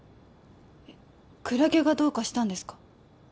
えっクラゲがどうかしたんですか？